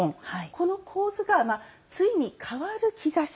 この構図が、ついに変わる兆し。